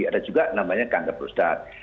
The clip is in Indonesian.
ada juga namanya kanker prostat